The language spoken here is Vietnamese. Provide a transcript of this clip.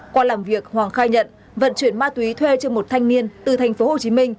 qua làm việc hoàng khai nhận vận chuyển ma túy thuê cho một thanh niên từ tp hcm